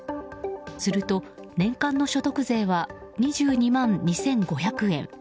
すると年間の所得税は２２万２５００円。